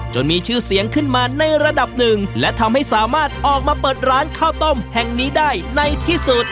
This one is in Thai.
มีชื่อเสียงขึ้นมาในระดับหนึ่งและทำให้สามารถออกมาเปิดร้านข้าวต้มแห่งนี้ได้ในที่สุด